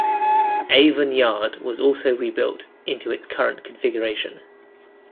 Avon Yard was also rebuilt into its current configuration.